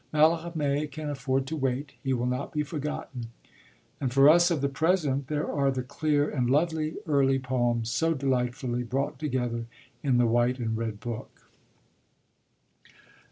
Mallarmé can afford to wait; he will not be forgotten; and for us of the present there are the clear and lovely early poems, so delightfully brought together in the white and red book.